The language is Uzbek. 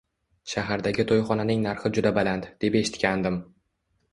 Shahardagi to`yxonaning narxi juda baland, deb eshitgandim